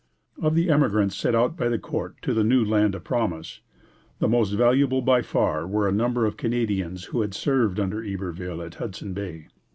Of the emigrants sent out by the court to the new land of promise, the most valuable by far were a number of Canadians who had served under Iberville at Hudson Bay.